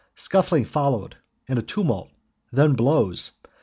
Scuffling followed, and atumult, then blows.